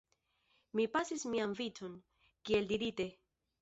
Mi pasis mian vicon, kiel dirite.